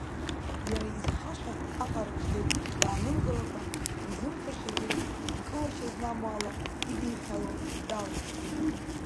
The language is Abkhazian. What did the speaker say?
Иара изхаша аҟара аҿгьы даанымгылакәа, изымфашазгьы дкылашьа зламоу ала идиҳәҳәало далагеит.